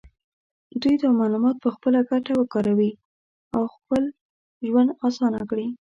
دوی دا معلومات په خپله ګټه وکاروي او خپل ژوند اسانه کړي.